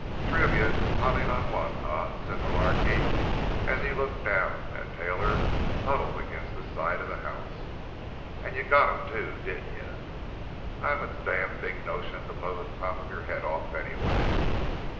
"Three of ye pilin' on one, eh?" said Mullarky as he looked down at Taylor, huddled against the side of the house. "An' ye got him, too, didn't ye? I've a domn big notion to blow the top of your head off, anny way.